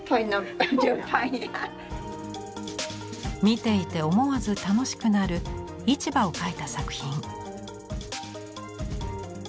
見ていて思わず楽しくなる「市場」を描いた作品。